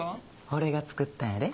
俺が作ったんやで。